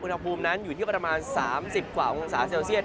อุณหภูมินั้นอยู่ที่ประมาณ๓๐กว่าองศาเซลเซียต